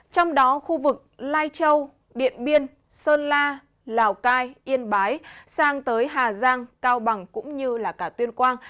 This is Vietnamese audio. trong đó khu vực lai châu điện biên sơn la lào cai yên bái sang tới hà giang cao bằng cũng như cả tuyên quang